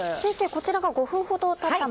こちらが５分ほどたったものです。